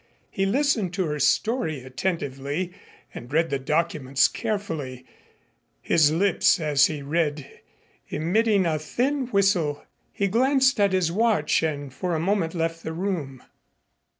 He listened to her story attentively and read the documents carefully, his lips as he read emitting a thin whistle. He glanced at his watch and for a moment left the room.